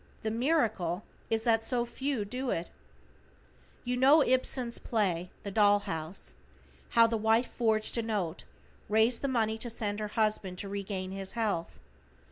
The miracle is that so few do it. You know Ibsen's play, "The Doll House." How the wife forged a note, raised the money to send her husband to regain his health.